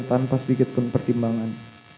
tanpa sedikit pun pertimbangan